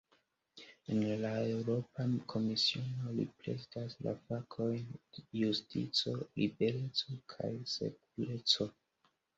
En la Eŭropa Komisiono, li prezidas la fakojn "justico, libereco kaj sekureco".